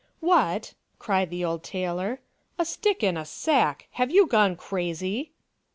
" What !" cried the old tailor, "a stick in a sack ! Have you gone crazy